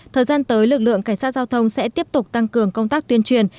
thời gian tới lực lượng cảnh sát giao thông sẽ tiếp tục tăng cường công tác tuyên truyền